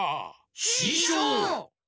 ししょう！